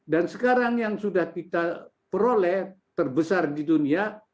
dan sekarang yang sudah kita peroleh terbesar di dunia